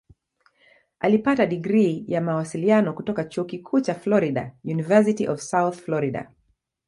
Alipata digrii ya Mawasiliano kutoka Chuo Kikuu cha Florida "University of South Florida".